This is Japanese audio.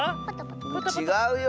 ちがうよ！